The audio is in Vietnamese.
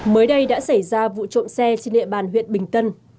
mới đây đã xảy ra vụ trộm xe trên địa bàn huyện bình tân